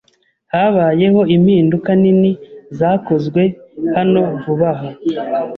Habayeho impinduka nini zakozwe hano vuba aha.